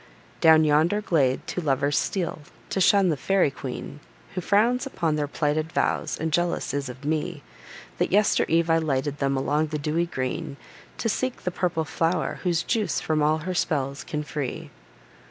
Down yonder glade two lovers steal, to shun the fairy queen, Who frowns upon their plighted vows, and jealous is of me, That yester eve I lighted them, along the dewy green, To seek the purple flow'r, whose juice from all her spells can free.